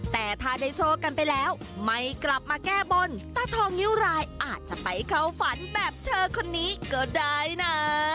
แต่ถ้าได้โชคกันไปแล้วไม่กลับมาแก้บนตาทองนิ้วรายอาจจะไปเข้าฝันแบบเธอคนนี้ก็ได้นะ